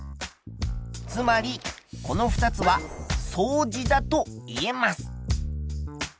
つまりこの２つは相似だといえます。